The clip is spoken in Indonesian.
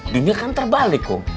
dunia kan terbalik kum